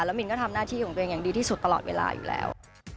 แล้วมินก็ทำหน้าที่ของตัวเองอย่างดีที่สุดตลอดเวลาอยู่แล้ว